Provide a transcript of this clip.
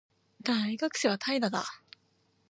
大学生は怠惰だ